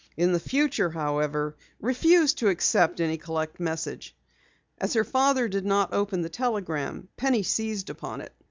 "In the future, however, refuse to accept any collect message." As her father did not open the telegram, Penny seized upon it.